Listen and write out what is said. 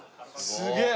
すげえ。